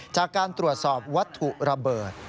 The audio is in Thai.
จากการตรวจสอบวัตถุระเบิด